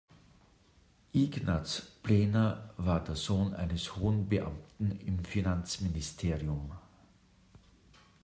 Ignaz Plener war der Sohn eines hohen Beamten im Finanzministerium.